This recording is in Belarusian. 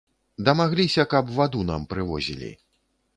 Дамагліся, каб ваду нам прывозілі.